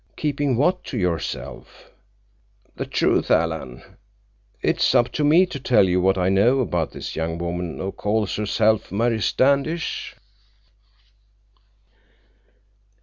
"Keeping what to yourself?" "The truth, Alan. It's up to me to tell you what I know about this young woman who calls herself Mary Standish."